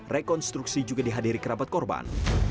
rekonstruksi juga dihadiri kerabat korban